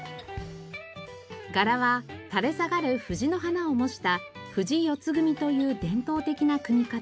柄は垂れ下がる藤の花を模した藤四ツ組という伝統的な組み方。